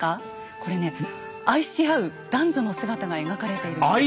これね愛し合う男女の姿が描かれているんですよ。